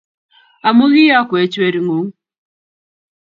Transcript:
Amu ki'yokwech We-ring'ung',